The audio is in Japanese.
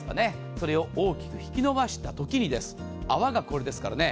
それを大きく引き伸ばした時に泡がこれですからね。